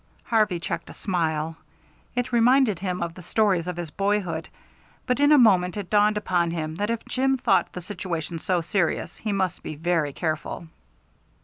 Harvey checked a smile. It reminded him of the stories of his boyhood. But in a moment it dawned upon him that if Jim thought the situation so serious, he must be very careful.